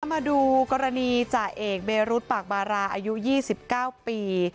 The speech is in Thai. มาดูกรณีจ่าเอกเบรุษปากบาราอายุ๒๙ปี